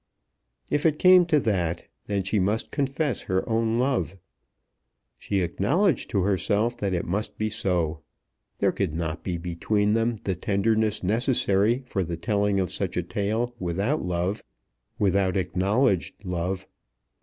If it came to that, then she must confess her own love. She acknowledged to herself that it must be so. There could not be between them the tenderness necessary for the telling of such a tale without love, without acknowledged love.